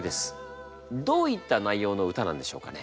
どういった内容の歌なんでしょうかね？